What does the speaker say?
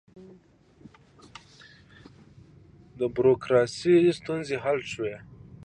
د بروکراسۍ ستونزې حل شوې؟